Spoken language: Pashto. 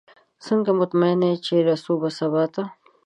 څنګه مطمئنه یې چې رسو به سباته؟